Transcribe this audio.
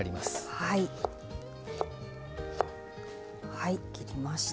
はい切りました。